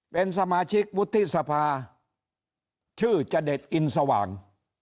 เป็นสมาชิกวุฒิสภาชื่อจเดชอินสว่าง